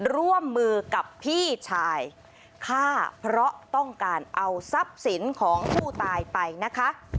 ร่วมมือกับพี่ชายฆ่าเพราะต้องการเอาทรัพย์สินของผู้ตายไปนะคะ